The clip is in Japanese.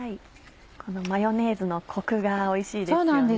このマヨネーズのコクがおいしいですよね。